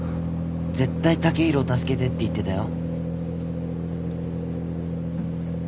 絶対剛洋を助けてって言ってたよ。